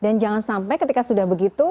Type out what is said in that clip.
dan jangan sampai ketika sudah begitu